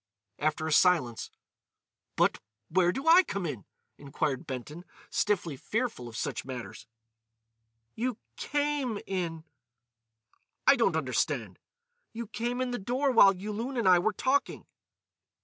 After a silence: "But—where do I come in?" inquired Benton, stiffly fearful of such matters. "You came in." "I don't understand." "You came in the door while Yulun and I were talking."